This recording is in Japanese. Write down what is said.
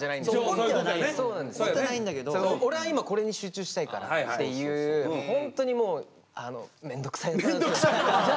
怒ってないんだけど俺は今これに集中したいからっていうホントにもうあのめんどくさいんですよ。